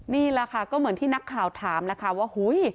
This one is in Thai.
นี่แหละค่ะก็เหมือนที่นักข่าวถามแล้วค่ะว่า